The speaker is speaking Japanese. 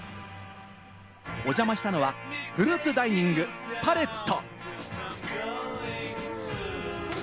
お邪魔したのはフルーツダイニングパレット。